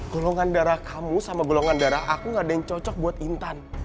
golongan darah kamu sama golongan darah aku gak ada yang cocok buat intan